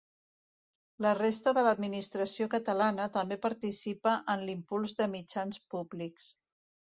La resta de l’Administració catalana també participa en l’impuls de mitjans públics.